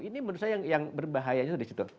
ini menurut saya yang berbahaya juga disitu